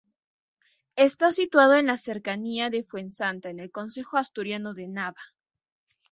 Está situado en las cercanía de Fuensanta en el concejo asturiano de Nava.